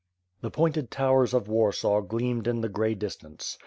The pointed towers of Warsaw gleamed in the gray dis tance.